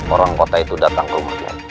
orang kota itu datang ke rumahnya